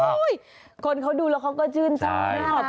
แต่ว่าโอ้ยคนเขาดูแล้วเขาก็ชื่นมาก